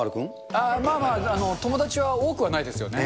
ああ、まあまあ、友達は多くはないですよね。